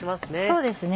そうですね